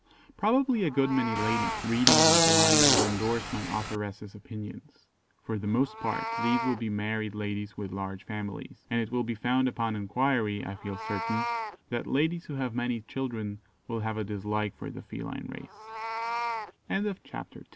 Probably a good many ladies reading these lines will endorse my authoress's opinions. For the most part these will be married ladies with large families; and it will be found upon enquiry, I feel certain, that ladies who have many children will hav